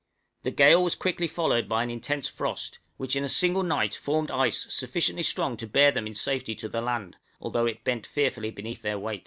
The gale was quickly followed by an intense frost, which in a single night formed ice sufficiently strong to bear them in safety to the land, although it bent fearfully beneath their weight.